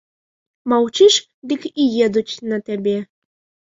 Маўчыш, дык і едуць на табе.